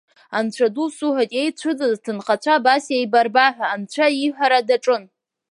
Анцәа ду суҳәоит иеицәыӡыз аҭынхацәа абас иеибарба ҳәа Анцәа иҳәара даҿын.